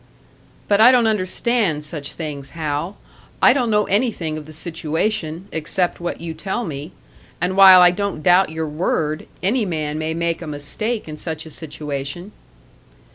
"But I don't understand such things, Hal! I don't know anything of the situation except what you tell me. And while I don't doubt your word, any man may make a mistake in such a situation."